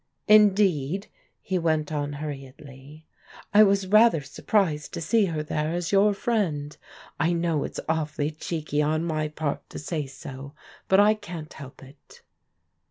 Indeed," he went on hurriedly, " I was rather surprised to see her there as your friend. I know it's awfully cheeky on my part to say so, but I can't help it."